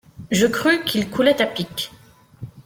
Je crus qu’il coulait à pic.